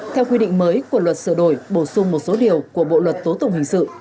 theo quy định mới của luật sửa đổi bổ sung một số điều của bộ luật tố tụng hình sự